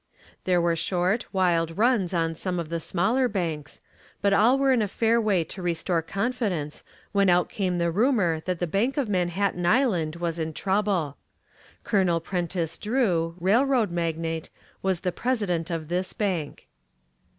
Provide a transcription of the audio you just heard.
There were short, wild runs on some of the smaller banks, but all were in a fair way to restore confidence when out came the rumor that the Bank of Manhattan Island was in trouble. Colonel Prentiss Drew, railroad magnate, was the president of this bank.